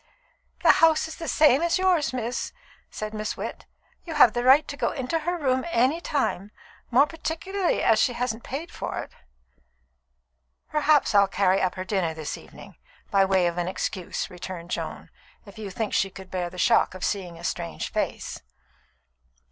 "The house is the same as yours, miss," said Miss Witt. "You have the right to go into her room at any time, more particularly as she hasn't paid for it." "Perhaps I'll carry up her dinner this evening, by way of an excuse," returned Joan "if you think she could bear the shock of seeing a strange face."